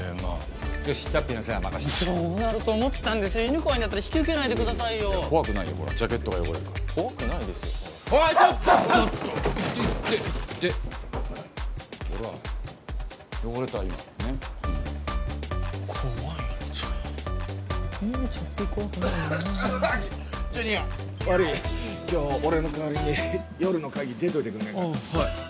あっはい。